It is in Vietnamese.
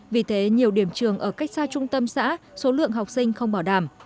vì thế nhiều điểm trường ở cách xa trung tâm xã số lượng học sinh không bảo đảm